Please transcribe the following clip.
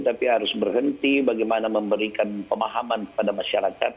tapi harus berhenti bagaimana memberikan pemahaman kepada masyarakat